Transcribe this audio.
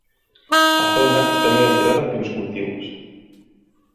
A zona está moi alterada polos cultivos.